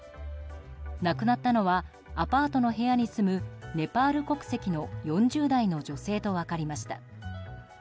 亡くなったのはアパートの部屋に住むネパール国籍の４０代の女性と分かりました。